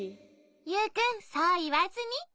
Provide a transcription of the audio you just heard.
ユウくんそういわずに。